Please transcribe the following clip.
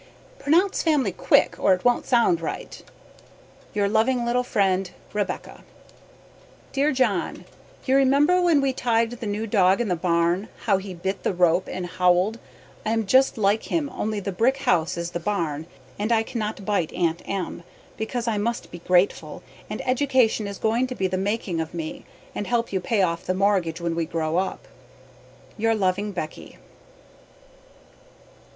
Pronounce family QUICK or it won't sound right Your loving little friend Rebecca Dear John, You remember when we tide the new dog in the barn how he bit the rope and howled I am just like him only the brick house is the barn and I can not bite Aunt M. because I must be grateful and edducation is going to be the making of me and help you pay off the morgage when we grow up. Your loving Becky.